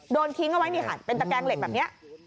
โดนทิ้งเอาไว้นี่ค่ะเป็นตะแกงเหล็กแบบนี้